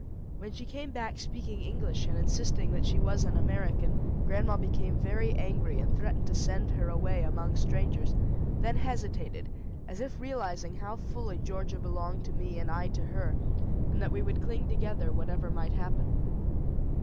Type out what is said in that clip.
When she came back speaking English, and insisting that she was an American, grandma became very angry, and threatened to send her away among strangers; then hesitated, as if realizing how fully Georgia belonged to me and I to her, and that we would cling together whatever might happen.